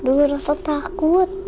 aduh saya takut